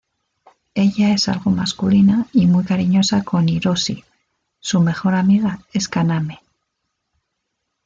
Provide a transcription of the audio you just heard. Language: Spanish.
Ella es algo masculina y muy cariñosa con Hiroshi, su mejor amiga es Kaname.